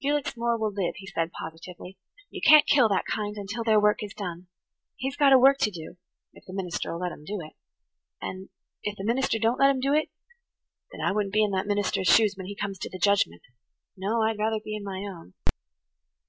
"Felix Moore will live," he said positively, "You can't kill that kind until their work is done. He's got a work to do–if the minister'll let him do it. And–if the minister don't let him do it, then I wouldn't be in that minister's shoes when he comes to the judgment–no, I'd rather be in my own.